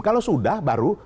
kalau sudah baru